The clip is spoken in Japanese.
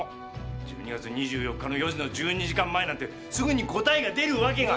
⁉１２月２４日の４時の１２時間前なんてすぐに答えが出るわけが。